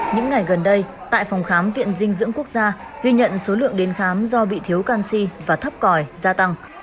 những ngày gần đây tại phòng khám viện dinh dưỡng quốc gia ghi nhận số lượng đến khám do bị thiếu canxi và thấp còi gia tăng